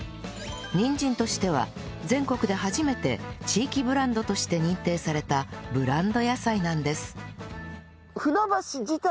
にんじんとしては全国で初めて地域ブランドとして認定されたブランド野菜なんです